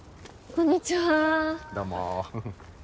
こんにちは。